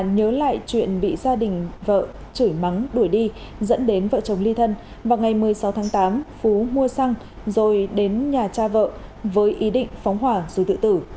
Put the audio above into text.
nhớ lại chuyện bị gia đình vợ chửi mắng đuổi đi dẫn đến vợ chồng ly thân vào ngày một mươi sáu tháng tám phú mua xăng rồi đến nhà cha vợ với ý định phóng hỏa rồi tự tử